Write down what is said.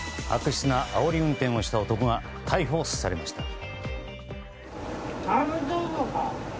悪質なあおり運転をした男が逮捕されました。